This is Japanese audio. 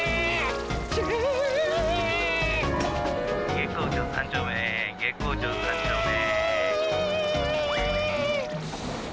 「月光町３丁目月光町３丁目」。